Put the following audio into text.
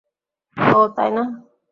ওহ তাই না?